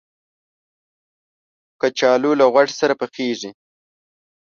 کچالو له غوښې سره پخېږي